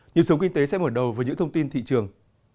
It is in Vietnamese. nhiệm sống kinh tế sẽ mở đầu với những thông tin thị trường